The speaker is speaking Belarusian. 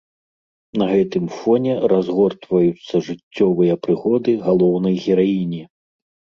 На гэтым фоне разгортваюцца жыццёвыя прыгоды галоўнай гераіні.